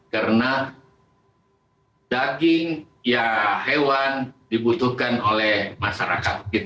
karena daging ya hewan dibutuhkan oleh masyarakat